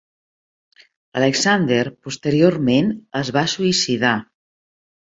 L'Alexander posteriorment es va suïcidar.